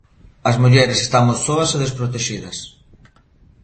As mulleres estamos soas e desprotexidas.